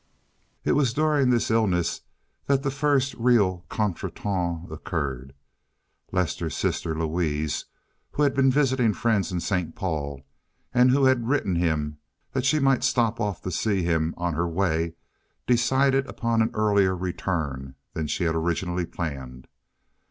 It was during this illness that the first real contretemps occurred. Lester's sister Louise, who had been visiting friends in St. Paul, and who had written him that she might stop off to see him on her way, decided upon an earlier return than she had originally planned.